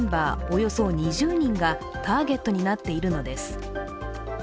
およそ２０人がターゲットになっているのです。